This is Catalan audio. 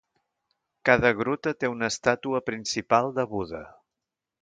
Cada gruta té una estàtua principal de Buda.